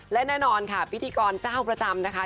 และแน่นอนพิธีกรเจ้าประจำ